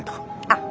あっ。